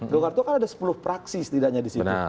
golkar itu kan ada sepuluh praksi setidaknya di situ